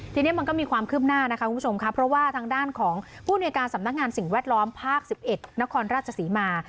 ทีนี้มันก็มีความคืบหน้านะคะคุณผู้ชมค่ะเพราะว่าทางด้านของผู้ในการสำนักงานสิ่งแวดล้อมภาค๑๑นครราชศรีมา